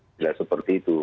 tidak seperti itu